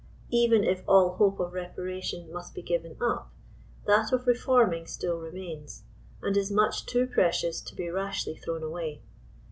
Even if all hope of reparation must be given up, that of reforming still remains, and is much too precious to be rashly thrown away.